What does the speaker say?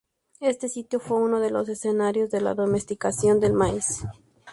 Este sitio fue uno de los escenarios de la domesticación del maíz.